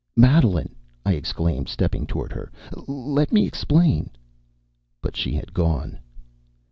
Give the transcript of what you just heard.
"Madeline!" I exclaimed, stepping toward her, "let me explain." But she had gone.